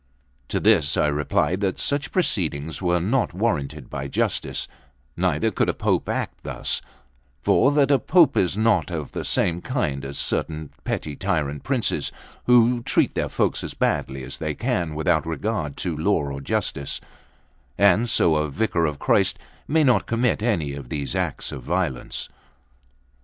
To this I replied that such proceedings were not warranted by justice, neither could a Pope act thus; for that a Pope is not of the same kind as certain petty tyrant princes, who treat their folk as badly as they can, without regard to law or justice; and so a Vicar of Christ may not commit any of these acts of violence.